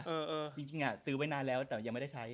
โอเคเลย